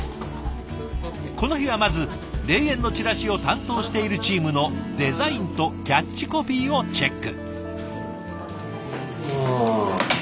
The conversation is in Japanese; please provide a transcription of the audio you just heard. この日はまず霊園のチラシを担当しているチームのデザインとキャッチコピーをチェック。